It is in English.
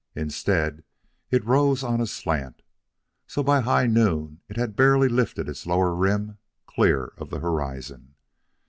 Instead, it rose on a slant, so that by high noon it had barely lifted its lower rim clear of the horizon.